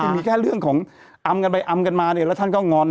มีแค่เรื่องของอำกันไปอำกันมาเนี่ยแล้วท่านก็งอน